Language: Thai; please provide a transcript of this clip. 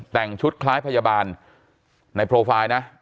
แต่งชุดคล้ายพยาบาลในโปรไฟล์นะ